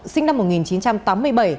sinh năm một nghìn chín trăm tám mươi bảy